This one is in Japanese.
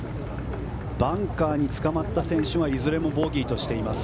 バンカーにつかまった選手いずれもボギーとしています。